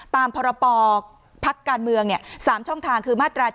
ตามพรปพักการเมือง๓ช่องทางคือมาตรา๗๒๖๒๖๖